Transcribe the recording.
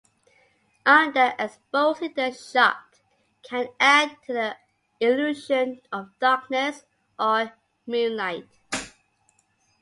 Underexposing the shot can add to the illusion of darkness or moonlight.